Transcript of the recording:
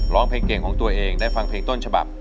ร้องเพลงเก่งของตัวเองได้ฟังเพลงต้นฉบับ